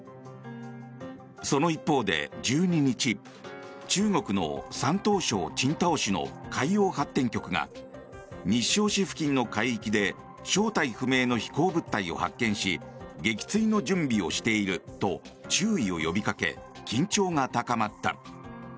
その一方で１２日中国の山東省青島市の海洋発展局が日照市付近の海域で正体不明の飛行物体を発見し撃墜の準備をしていると注意を呼びかけ緊張が高まった。